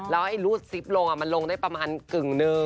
แล้วไอ้รูดซิปลงมันลงได้ประมาณกึ่งหนึ่ง